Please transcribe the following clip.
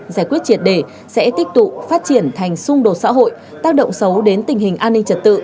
giải quyết triệt đề sẽ tích tụ phát triển thành xung đột xã hội tác động xấu đến tình hình an ninh trật tự